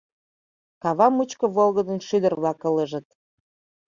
Кава мучко волгыдын шӱдыр-влак ылыжыт